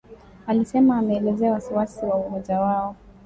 Alisema ameelezea wasiwasi wa umoja huo